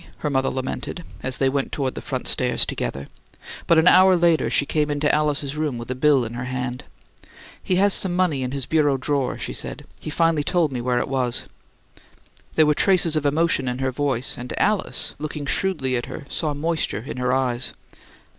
her mother lamented, as they went toward the front stairs together; but an hour later she came into Alice's room with a bill in her hand. "He has some money in his bureau drawer," she said. "He finally told me where it was." There were traces of emotion in her voice, and Alice, looking shrewdly at her, saw moisture in her eyes.